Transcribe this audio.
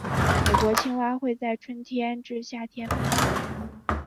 美国青蛙会在春天至夏天繁殖。